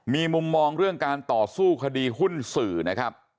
มีมุมมองเรื่องการต่อสู้คดีหุ้นสื่อนะครับ